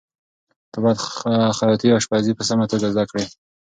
ته باید خیاطي یا اشپزي په سمه توګه زده کړې.